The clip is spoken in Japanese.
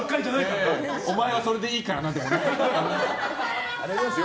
お前はそれでいいからな、でもない。